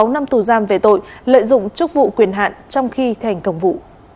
sáu năm tù giam về tội lợi dụng chức vụ quyền hạn trong khi thành công vụ